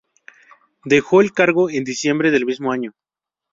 Dejó el cargo en diciembre del mismo año.